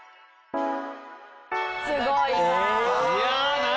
すごいな！